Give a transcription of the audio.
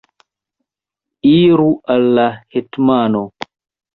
Iru al la hetmano!